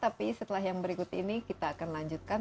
tapi setelah yang berikut ini kita akan lanjutkan